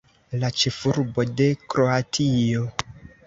La ĉefurbo de Kroatio.